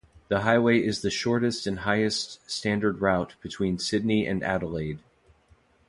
The highway is the shortest and highest standard route between Sydney and Adelaide.